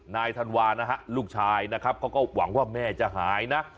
ธันวานะฮะลูกชายนะครับเขาก็หวังว่าแม่จะหายนะ